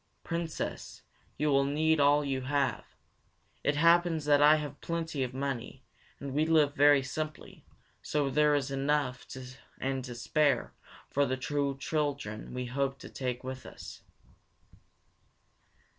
"Princess, you will need all you have. It happens that I have plenty of money, and we live very simply, so there is enough and to spare for the two children we hope to take with us."